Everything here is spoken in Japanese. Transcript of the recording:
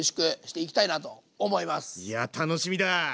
いや楽しみだ。